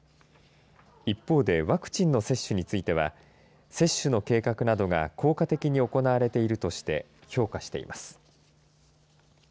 一方でワクチンの接種については接種の計画などが効果的に行われているとして評価しています。